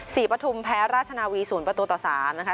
ปฐุมแพ้ราชนาวี๐ประตูต่อสามนะคะ